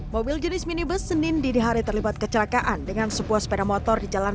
mobil jenis minibus senin dinihari terlibat kecelakaan dengan sebuah sepeda motor di jalan